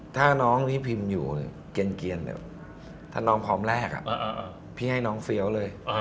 ถ้าน้องที่พิมพ์อยู่เกียรติเกียรติเลยถ้าน้องพร้อมแรกอะพี่ให้น้องเฟียวเลย